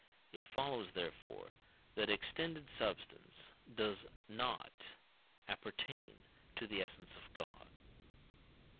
It follows, therefore, that extended substance does not appertain to the essence of God.